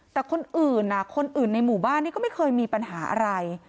แต่คนอื่นคนอื่นในหมู่บ้านนี่ก็ไม่เคยมีปัญหาอะไร